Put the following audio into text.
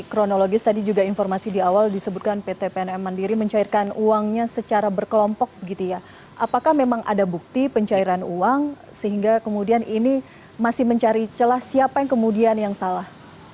kronologis tadi juga informasi di awal disebutkan pt pnm mandiri mencairkan uangnya secara berkelompok gitu ya apakah memang ada bukti pencairan uang sehingga kemudian ini masih mencari celah siapa yang kemudian yang salah